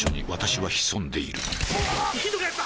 ひどくなった！